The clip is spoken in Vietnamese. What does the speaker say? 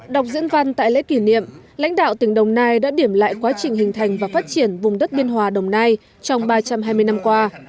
đọc diễn văn tại lễ kỷ niệm lãnh đạo tỉnh đồng nai đã điểm lại quá trình hình thành và phát triển vùng đất biên hòa đồng nai trong ba trăm hai mươi năm qua